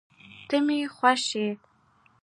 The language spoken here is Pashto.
ته مي خوښ یې